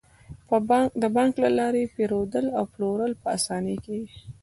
د بانک له لارې پيرودل او پلورل په اسانۍ کیږي.